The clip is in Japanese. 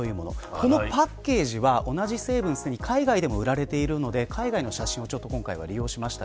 このパッケージは同じ成分ですでに海外でも売られているので海外の写真を利用しました。